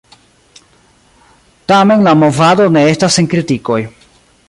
Tamen la movado ne estas sen kritikoj.